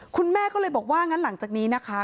คุณแม่ก็เลยบอกว่างั้นหลังจากนี้นะคะ